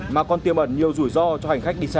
mà còn tiêm ẩn nhiều rủi ro cho hành khách đi xa